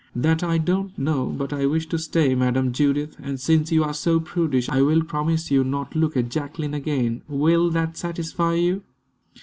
"That I don't know. But I wish to stay, Madam Judith; and, since you are so prudish, I will promise you not look at Jacqueline again. Will that satisfy you?"